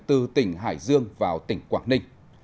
từ tỉnh hải dương vào tỉnh quảng ninh